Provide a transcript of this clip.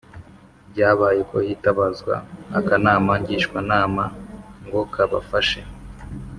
Byabaye ko hitabazwa akanama Ngishwanama ngo kabafashe